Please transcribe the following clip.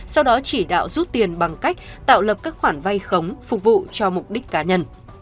sau đó chỉ đạo rút tiền bằng cách tạo lập các khoản vay khống phục vụ cho mục đích cá nhân